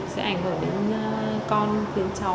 sẽ ảnh hưởng đến con đến cháu